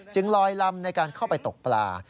ลอยลำในการเข้าไปตกปลา